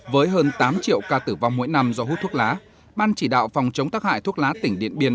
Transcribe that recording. với hơn tám triệu ca tử vong mỗi năm do hút thuốc lá ban chỉ đạo phòng chống tác hại thuốc lá tỉnh điện biên